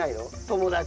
友達。